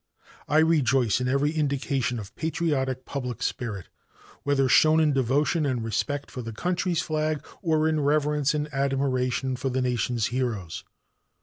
I rejoice in every indication of patriotic public spirit, whether shown in devotion and respect for the country's flag or in reverence and admiration for the nation's heroes.